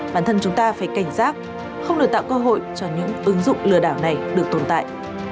bản thân chúng ta phải cảnh giác không để tạo cơ hội cho những ứng dụng lừa đảo này được tồn tại